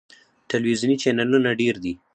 ټلویزیوني چینلونه ډیر دي.